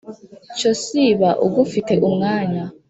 cyo siba ugufite umwanya